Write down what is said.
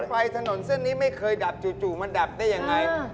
ไฟถนนเส้นนี้ไม่เคยดับจู่มันดับได้ยังไง